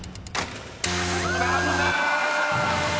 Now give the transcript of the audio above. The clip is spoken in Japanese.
［残念！］